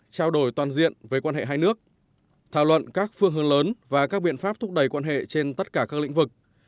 trao đổi toàn diện với quan hệ hai nước thảo luận các phương hướng lớn và các biện pháp thúc đẩy quan hệ trên tất cả các lĩnh vực